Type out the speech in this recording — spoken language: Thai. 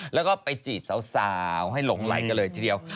แล้วก็ไปจีบสาวให้หลงไหลกันเลยทีเดียว